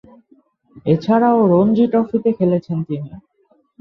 এছাড়াও রঞ্জী ট্রফিতে খেলেছেন তিনি।